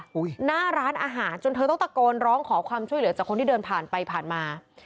หน้าร้านอาหารจนเธอต้องตะโกนร้องขอความช่วยเหลือจากคนที่เดินผ่านไปผ่านมา